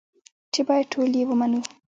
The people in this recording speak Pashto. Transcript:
چې بايد ټول يې ومنو.